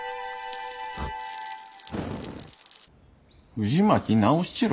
藤巻直七郎？